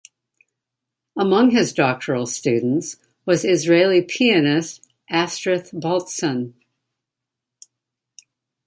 Among his doctoral students was Israeli pianist Astrith Baltsan.